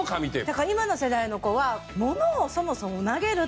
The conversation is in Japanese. だから今の世代の子は。